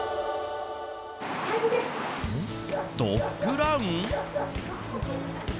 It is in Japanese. ドッグラン？